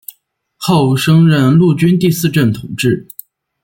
后升任陆军第四镇统制。